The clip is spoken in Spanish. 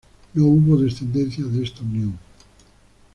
No hubo descendencia de esta unión.